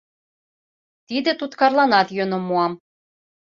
Тиде туткарланат йӧным муам.